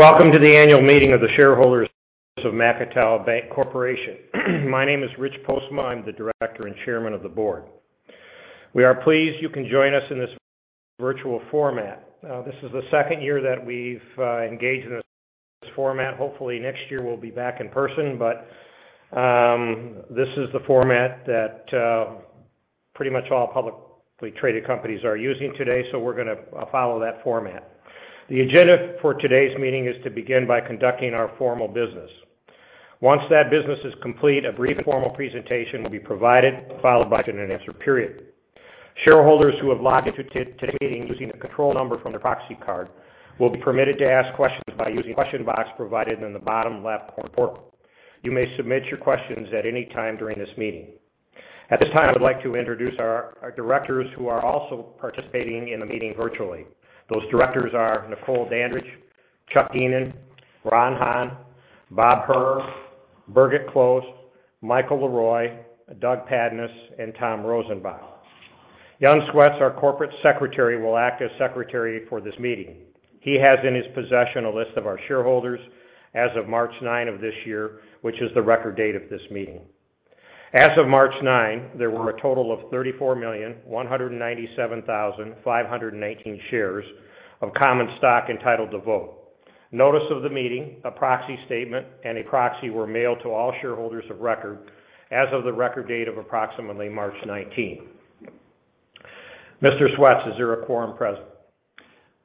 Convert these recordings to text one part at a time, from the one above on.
Welcome to the annual meeting of the shareholders of Macatawa Bank Corporation. My name is Rich Postma. I'm the Director and Chairman of the Board. We are pleased you can join us in this virtual format. This is the second year that we've engaged in this format. Hopefully, next year we'll be back in person. This is the format that pretty much all publicly traded companies are using today. We're going to follow that format. The agenda for today's meeting is to begin by conducting our formal business. Once that business is complete, a brief formal presentation will be provided, followed by a question and answer period. Shareholders who have logged into today's meeting using the control number from their proxy card will be permitted to ask questions by using the question box provided in the bottom left corner portal. You may submit your questions at any time during this meeting. At this time, I would like to introduce our directors who are also participating in the meeting virtually. Those directors are Nichole Dandridge, Charles Geenen, Ron Haan, Bob Herr, Birgit Klohs, Michael Le Roy, Doug Padnos, and Tom Rosenbach. Jon Swets, our Corporate Secretary, will act as secretary for this meeting. He has in his possession a list of our shareholders as of March 9 of this year, which is the record date of this meeting. As of March 9, there were a total of 34,197,519 shares of common stock entitled to vote. Notice of the meeting, a proxy statement, and a proxy were mailed to all shareholders of record as of the record date of approximately March 19. Mr. Swets, is there a quorum present?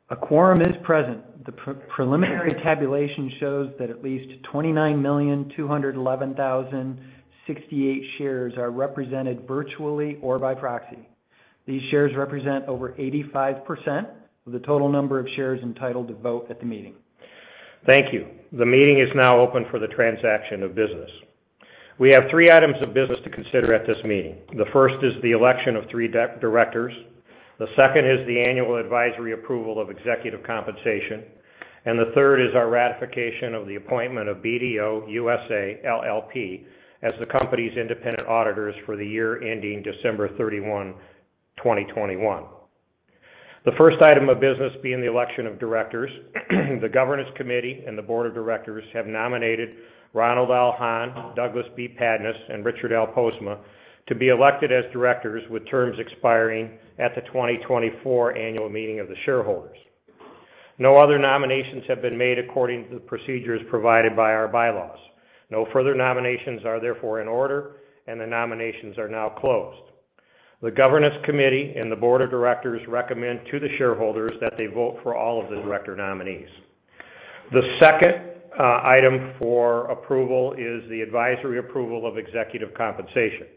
A quorum is present. The preliminary tabulation shows that at least 29,211,068 shares are represented virtually or by proxy. These shares represent over 85% of the total number of shares entitled to vote at the meeting. Thank you. The meeting is now open for the transaction of business. We have three items of business to consider at this meeting. The first is the election of three directors, the second is the annual advisory approval of executive compensation, and the third is our ratification of the appointment of BDO USA, LLP as the company's independent auditors for the year ending December 31, 2021. The first item of business being the election of directors. The governance committee and the board of directors have nominated Ronald L. Haan, Douglas B. Padnos, and Richard L. Postma to be elected as directors with terms expiring at the 2024 annual meeting of the shareholders. No other nominations have been made according to the procedures provided by our bylaws. No further nominations are therefore in order, and the nominations are now closed. The governance committee and the board of directors recommend to the shareholders that they vote for all of the director nominees. The second item for approval is the advisory approval of executive compensation.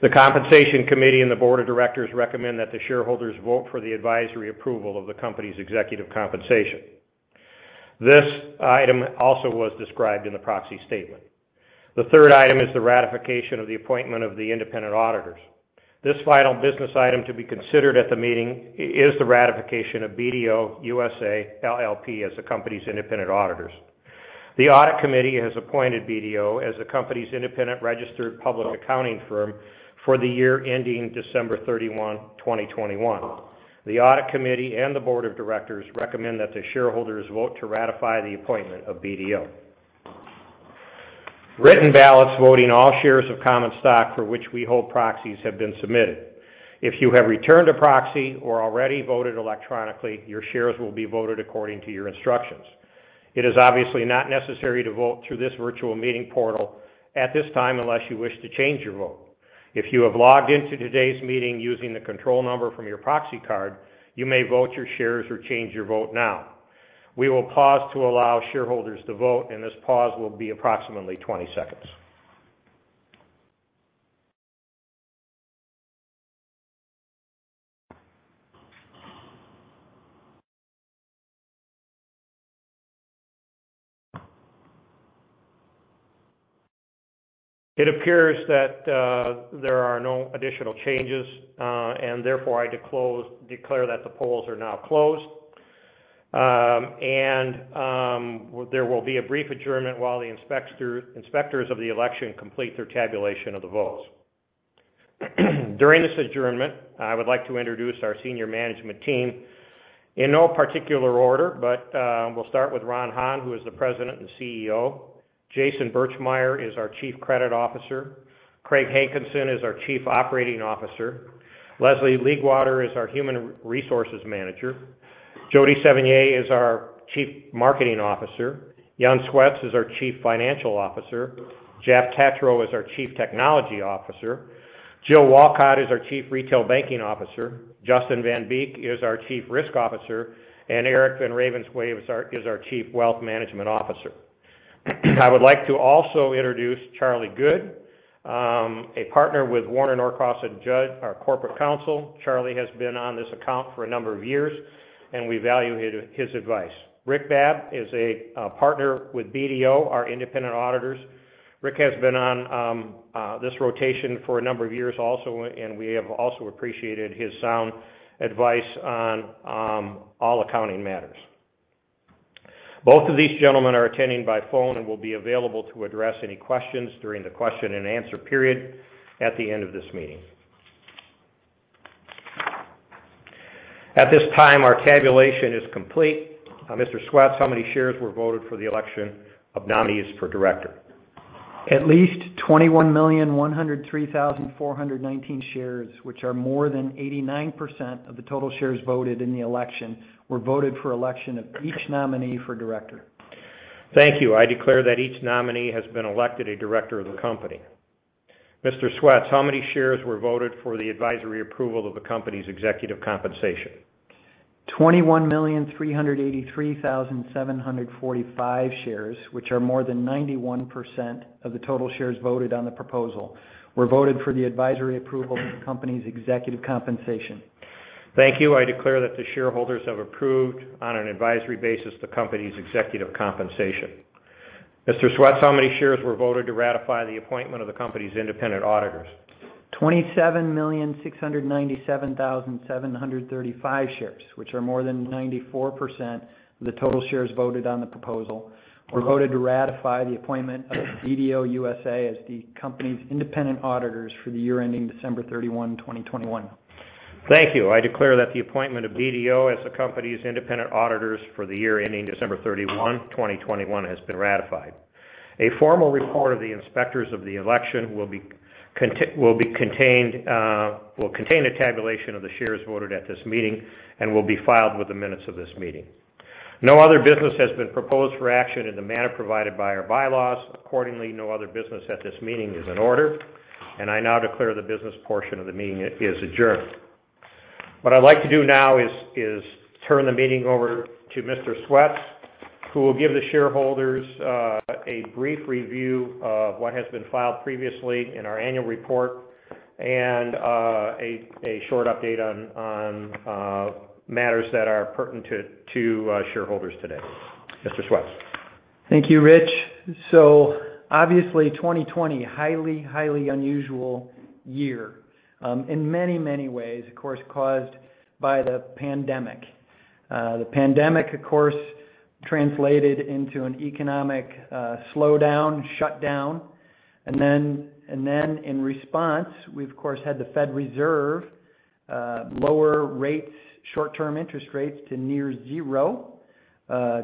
The compensation committee and the board of directors recommend that the shareholders vote for the advisory approval of the company's executive compensation. This item also was described in the proxy statement. The third item is the ratification of the appointment of the independent auditors. This final business item to be considered at the meeting is the ratification of BDO USA, LLP as the company's independent auditors. The audit committee has appointed BDO as the company's independent registered public accounting firm for the year ending December 31, 2021. The audit committee and the board of directors recommend that the shareholders vote to ratify the appointment of BDO. Written ballots voting all shares of common stock for which we hold proxies have been submitted. If you have returned a proxy or already voted electronically, your shares will be voted according to your instructions. It is obviously not necessary to vote through this virtual meeting portal at this time unless you wish to change your vote. If you have logged into today's meeting using the control number from your proxy card, you may vote your shares or change your vote now. We will pause to allow shareholders to vote, and this pause will be approximately 20 seconds. It appears that there are no additional changes, and therefore I declare that the polls are now closed. There will be a brief adjournment while the inspectors of the election complete their tabulation of the votes. During this adjournment, I would like to introduce our senior management team. In no particular order, but we'll start with Ron Haan, who is the President and CEO. Jason Birchmeier is our Chief Credit Officer. Craig Hankinson is our Chief Operating Officer. Leslie Leegwater is our Human Resources Manager. Jodi Sevigny is our Chief Marketing Officer. Jon Swets is our Chief Financial Officer. Jeff Tatreau is our Chief Technology Officer. Jill Walcott is our Chief Retail Banking Officer. Justin Van Beek is our Chief Risk Officer. Erich VanRavenswaay is our Chief Wealth Management Officer. I would like to also introduce Charlie Goode, a partner with Warner Norcross & Judd, our corporate counsel. Charlie has been on this account for a number of years, and we value his advice. Rick Babb is a partner with BDO, our independent auditors. Rick has been on this rotation for a number of years also, and we have also appreciated his sound advice on all accounting matters. Both of these gentlemen are attending by phone and will be available to address any questions during the question and answer period at the end of this meeting. At this time, our tabulation is complete. Mr. Swets, how many shares were voted for the election of nominees for director? At least 21,103,419 shares, which are more than 89% of the total shares voted in the election, were voted for election of each nominee for director. Thank you. I declare that each nominee has been elected a director of the company. Mr. Swets, how many shares were voted for the advisory approval of the company's executive compensation? 21,383,745 shares, which are more than 91% of the total shares voted on the proposal, were voted for the advisory approval of the company's executive compensation. Thank you. I declare that the shareholders have approved, on an advisory basis, the company's executive compensation. Mr. Swets, how many shares were voted to ratify the appointment of the company's independent auditors? 27,697,735 shares, which are more than 94% of the total shares voted on the proposal, were voted to ratify the appointment of BDO USA as the company's independent auditors for the year ending December 31, 2021. Thank you. I declare that the appointment of BDO as the company's independent auditors for the year ending December 31, 2021 has been ratified. A formal report of the inspectors of the election will contain a tabulation of the shares voted at this meeting, and will be filed with the minutes of this meeting. No other business has been proposed for action in the manner provided by our bylaws. Accordingly, no other business at this meeting is in order, and I now declare the business portion of the meeting is adjourned. What I'd like to do now is turn the meeting over to Mr. Swets, who will give the shareholders a brief review of what has been filed previously in our annual report, and a short update on matters that are pertinent to shareholders today. Mr. Swets. Thank you, Rich. Obviously, 2020, highly unusual year in many ways, of course, caused by the pandemic. The pandemic, of course, translated into an economic slowdown, shutdown, and then in response, we of course had the Federal Reserve lower short-term interest rates to near zero,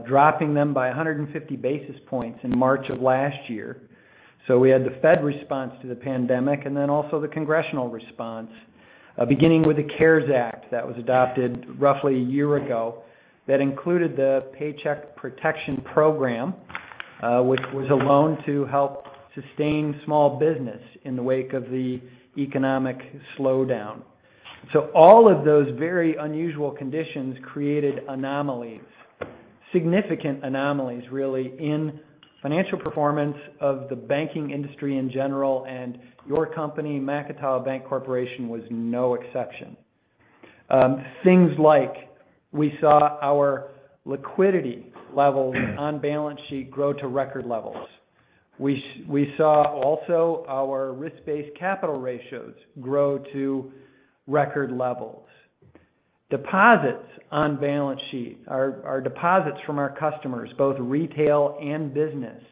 dropping them by 150 basis points in March of last year. We had the Fed response to the pandemic, and then also the congressional response, beginning with the CARES Act that was adopted roughly a year ago. That included the Paycheck Protection Program, which was a loan to help sustain small business in the wake of the economic slowdown. All of those very unusual conditions created anomalies, significant anomalies really, in financial performance of the banking industry in general, and your company, Macatawa Bank Corporation, was no exception. Things like we saw our liquidity levels on balance sheet grow to record levels. We saw also our risk-based capital ratios grow to record levels. Deposits on balance sheet, our deposits from our customers, both retail and business,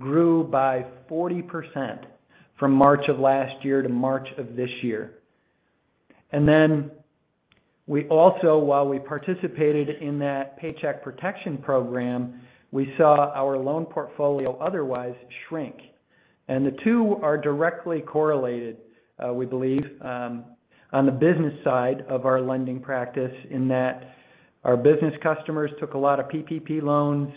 grew by 40% from March of last year to March of this year. We also, while we participated in that Paycheck Protection Program, we saw our loan portfolio otherwise shrink. The two are directly correlated, we believe, on the business side of our lending practice in that our business customers took a lot of PPP loans,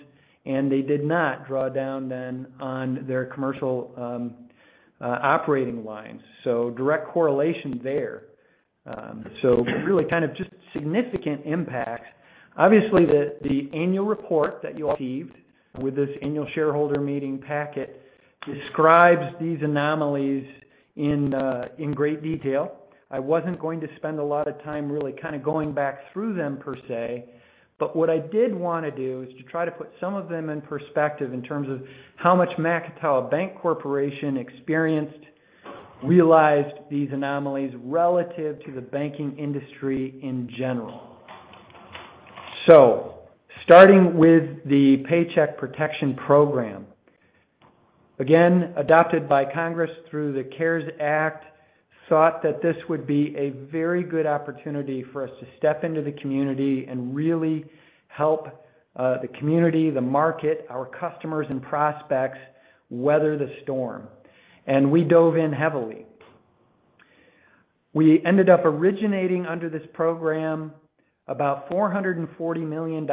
and they did not draw down then on their commercial operating lines. Direct correlation there. Really kind of just significant impacts. Obviously, the annual report that you all received with this annual shareholder meeting packet describes these anomalies in great detail. I wasn't going to spend a lot of time really kind of going back through them per se, but what I did want to do is to try to put some of them in perspective in terms of how much Macatawa Bank Corporation experienced, realized these anomalies relative to the banking industry in general. Starting with the Paycheck Protection Program, again, adopted by Congress through the CARES Act, thought that this would be a very good opportunity for us to step into the community and really help the community, the market, our customers and prospects weather the storm, and we dove in heavily. We ended up originating under this program about $440 million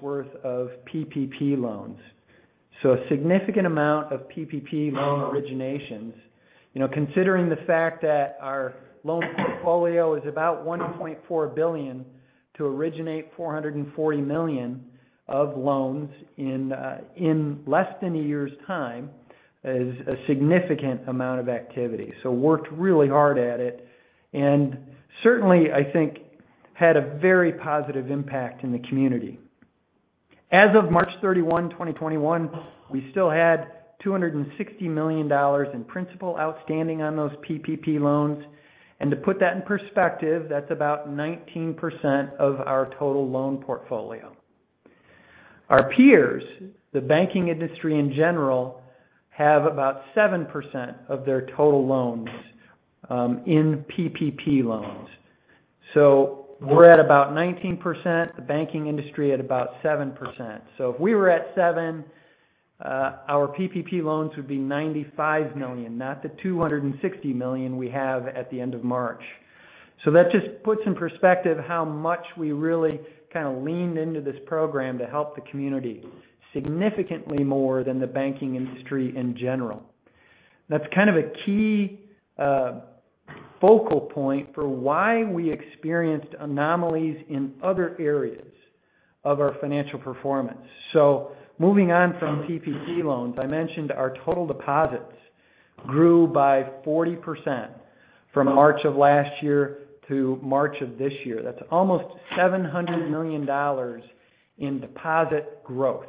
worth of PPP loans. A significant amount of PPP loan originations. Considering the fact that our loan portfolio is about $1.4 billion, to originate $440 million of loans in less than a year's time is a significant amount of activity. Worked really hard at it, and certainly I think had a very positive impact in the community. As of March 31, 2021, we still had $260 million in principal outstanding on those PPP loans. To put that in perspective, that's about 19% of our total loan portfolio. Our peers, the banking industry in general, have about 7% of their total loans in PPP loans. We're at about 19%, the banking industry at about 7%. If we were at seven, our PPP loans would be $95 million, not the $260 million we have at the end of March. That just puts in perspective how much we really leaned into this program to help the community, significantly more than the banking industry in general. That's kind of a key focal point for why we experienced anomalies in other areas of our financial performance. Moving on from PPP loans, I mentioned our total deposits grew by 40% from March of last year to March of this year. That's almost $700 million in deposit growth.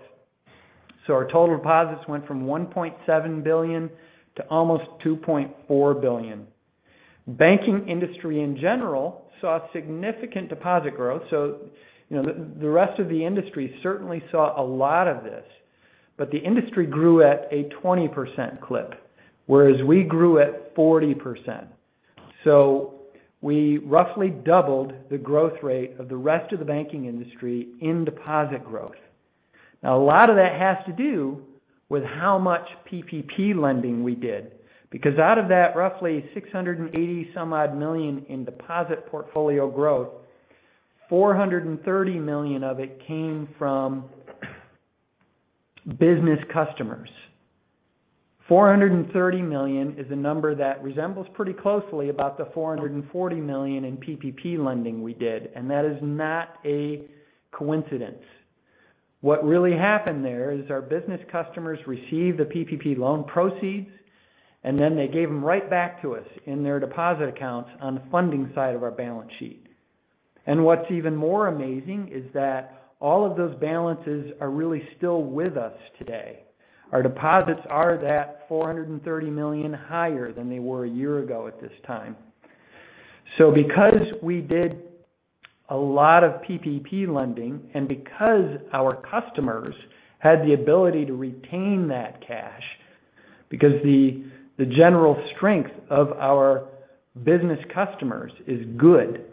Our total deposits went from $1.7 billion to almost $2.4 billion. Banking industry in general saw significant deposit growth. The rest of the industry certainly saw a lot of this, but the industry grew at a 20% clip, whereas we grew at 40%. We roughly doubled the growth rate of the rest of the banking industry in deposit growth. A lot of that has to do with how much PPP lending we did, because out of that roughly 680 some odd million in deposit portfolio growth, $430 million of it came from business customers. 430 million is a number that resembles pretty closely about the $440 million in PPP lending we did, and that is not a coincidence. What really happened there is our business customers received the PPP loan proceeds, and then they gave them right back to us in their deposit accounts on the funding side of our balance sheet. What's even more amazing is that all of those balances are really still with us today. Our deposits are that $430 million higher than they were a year ago at this time. Because we did a lot of PPP lending, and because our customers had the ability to retain that cash, because the general strength of our business customers is good,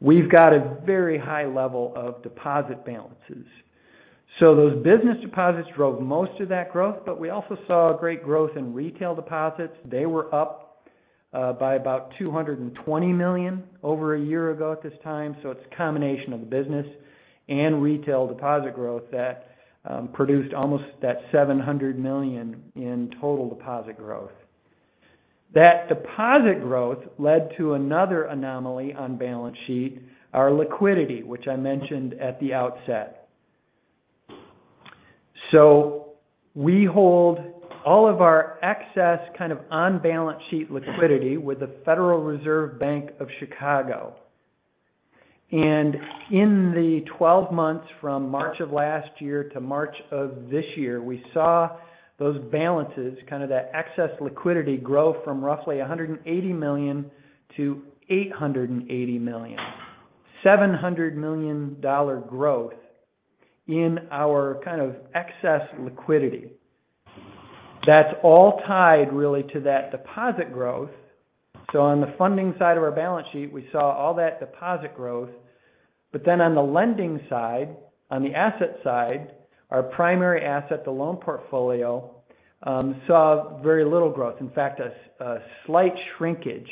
we've got a very high level of deposit balances. Those business deposits drove most of that growth, but we also saw great growth in retail deposits. They were up by about $220 million over a year ago at this time. It's a combination of the business and retail deposit growth that produced almost that $700 million in total deposit growth. That deposit growth led to another anomaly on balance sheet, our liquidity, which I mentioned at the outset. We hold all of our excess kind of on balance sheet liquidity with the Federal Reserve Bank of Chicago. In the 12 months from March of last year to March of this year, we saw those balances, kind of that excess liquidity, grow from roughly $180 million to $880 million. $700 million growth in our excess liquidity. That's all tied really to that deposit growth. On the funding side of our balance sheet, we saw all that deposit growth. On the lending side, on the asset side, our primary asset, the loan portfolio, saw very little growth. In fact, a slight shrinkage.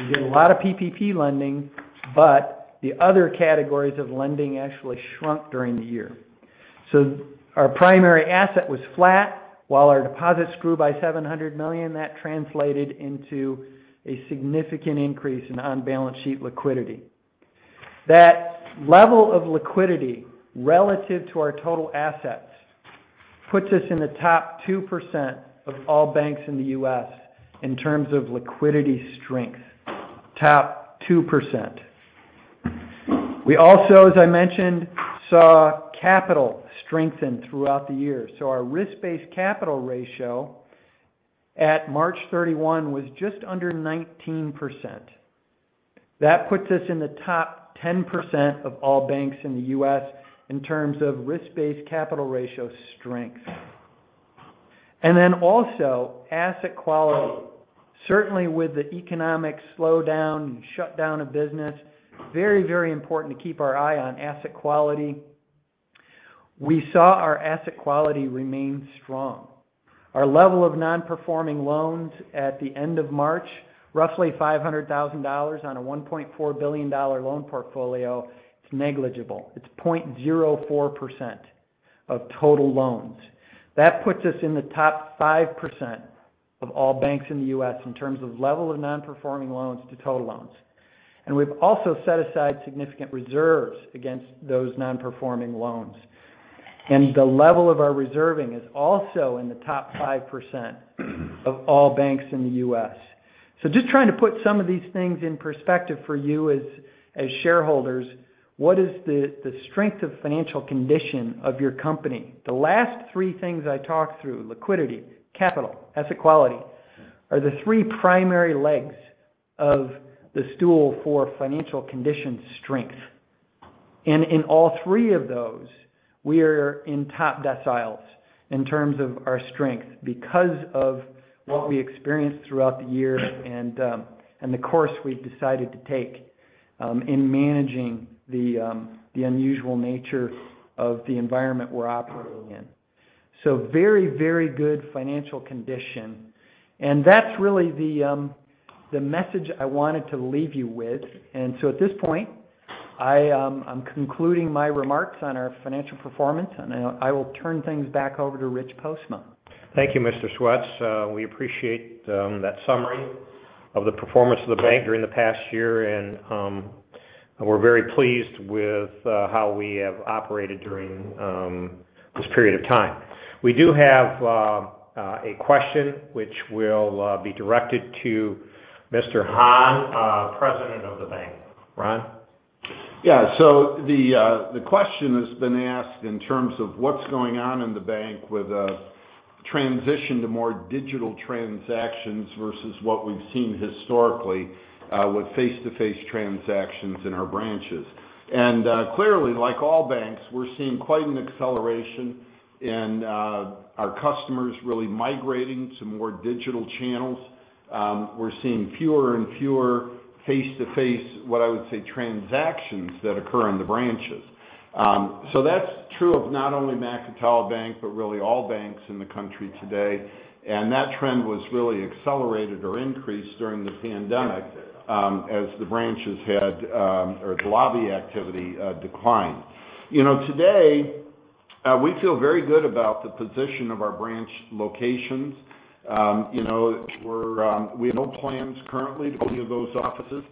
We did a lot of PPP lending, but the other categories of lending actually shrunk during the year. Our primary asset was flat while our deposits grew by $700 million. That translated into a significant increase in on balance sheet liquidity. That level of liquidity relative to our total assets puts us in the top 2% of all banks in the U.S. in terms of liquidity strength. Top 2%. We also, as I mentioned, saw capital strengthen throughout the year. Our risk-based capital ratio at March 31 was just under 19%. That puts us in the top 10% of all banks in the U.S. in terms of risk-based capital ratio strength. Also asset quality. Certainly with the economic slowdown and shutdown of business, very important to keep our eye on asset quality. We saw our asset quality remain strong. Our level of non-performing loans at the end of March, roughly $500,000 on a $1.4 billion loan portfolio. It's negligible. It's 0.04% of total loans. That puts us in the top 5% of all banks in the U.S. in terms of level of non-performing loans to total loans. We've also set aside significant reserves against those non-performing loans. The level of our reserving is also in the top 5% of all banks in the U.S. Just trying to put some of these things in perspective for you as shareholders, what is the strength of financial condition of your company? The last three things I talked through, liquidity, capital, asset quality, are the three primary legs of the stool for financial condition strength. In all three of those, we're in top deciles in terms of our strength because of what we experienced throughout the year and the course we've decided to take in managing the unusual nature of the environment we're operating in. Very good financial condition. That's really the message I wanted to leave you with. At this point, I'm concluding my remarks on our financial performance, and I will turn things back over to Rich Postma. Thank you, Mr. Swets. We appreciate that summary of the performance of the bank during the past year, and we're very pleased with how we have operated during this period of time. We do have a question which will be directed to Mr. Haan, President of the Bank. Ron? Yeah. The question that's been asked in terms of what's going on in the bank with a transition to more digital transactions versus what we've seen historically with face-to-face transactions in our branches. Clearly, like all banks, we're seeing quite an acceleration in our customers really migrating to more digital channels. We're seeing fewer and fewer face-to-face, what I would say, transactions that occur in the branches. That's true of not only Macatawa Bank, but really all banks in the country today. That trend was really accelerated or increased during the pandemic as the lobby activity declined. Today, we feel very good about the position of our branch locations. We have no plans currently to close any of those offices.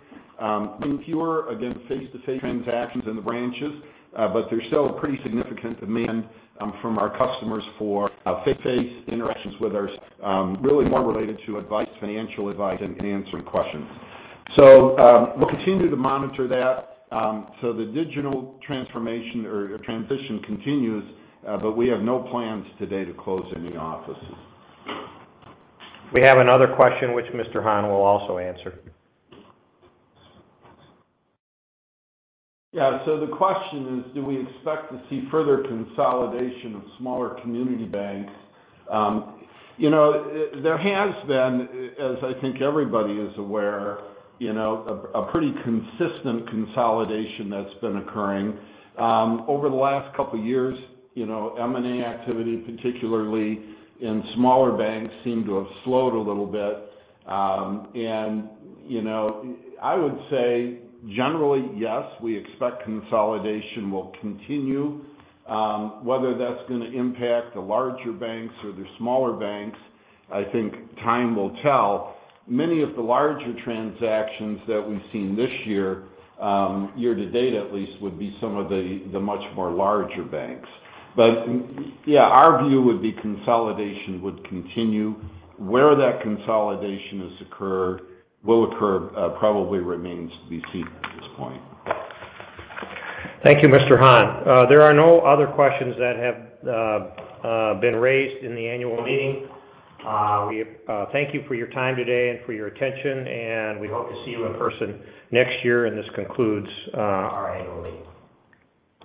Seeing fewer, again, face-to-face transactions in the branches, there's still a pretty significant demand from our customers for face-to-face interactions with us, really more related to advice, financial advice, and answering questions. We'll continue to monitor that. The digital transformation or transition continues, we have no plans today to close any offices. We have another question which Mr. Haan will also answer. Yeah. The question is: Do we expect to see further consolidation of smaller community banks? There has been, as I think everybody is aware, a pretty consistent consolidation that's been occurring. Over the last couple of years, M&A activity, particularly in smaller banks, seemed to have slowed a little bit. I would say generally, yes, we expect consolidation will continue. Whether that's going to impact the larger banks or the smaller banks, I think time will tell. Many of the larger transactions that we've seen this year to date at least, would be some of the much more larger banks. Yeah, our view would be consolidation would continue. Where that consolidation will occur probably remains to be seen at this point. Thank you, Mr. Haan. There are no other questions that have been raised in the annual meeting. We thank you for your time today and for your attention, and we hope to see you in person next year, and this concludes our annual meeting.